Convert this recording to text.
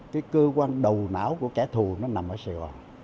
cái cơ quan đầu não của kẻ thù nó nằm ở sài gòn